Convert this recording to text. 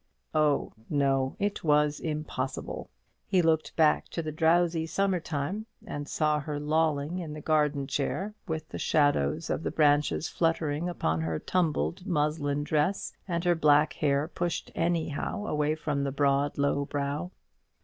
Oh, no, it was impossible. He looked back to the drowsy summer time, and saw her lolling in the garden chair, with the shadows of the branches fluttering upon her tumbled muslin dress, and her black hair pushed anyhow away from the broad low brow.